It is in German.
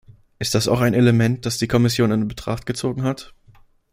Ist das auch ein Element, das die Kommission in Betracht gezogen hat?